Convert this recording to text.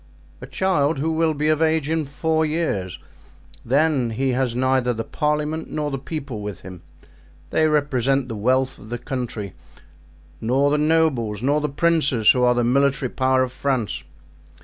"A child who will be of age in four years. Then he has neither the parliament nor the people with him—they represent the wealth of the country; nor the nobles nor the princes, who are the military power of France."